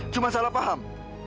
cuma salah paham